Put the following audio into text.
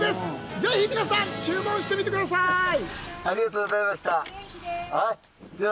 ぜひ、注文してみてください。